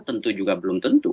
tentu juga belum tentu